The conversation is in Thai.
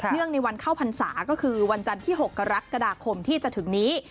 เรื่องในวันเข้าพรรษาก็คือวันจันทร์ที่๖กระรักช์กระดาษคมที่จะถึงนี้